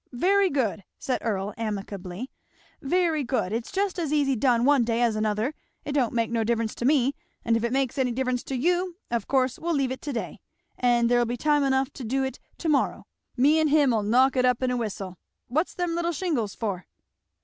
"Very good!" said Earl amicably, "very good! it's just as easy done one day as another it don't make no difference to me, and if it makes any difference to you, of course we'll leave it to day, and there'll be time enough to do it to morrow; me and him'll knock it up in a whistle. What's them little shingles for?"